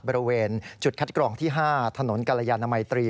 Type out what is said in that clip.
บริเวณจุดคัดกรองที่๕ถนนกรยานมัยตรี